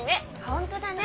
本当だね。